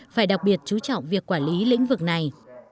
phải đặc biệt chú trọng việc quản lý lĩnh vực này